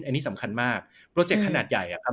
อันนี้สำคัญมากโปรเจกต์ขนาดใหญ่อะครับ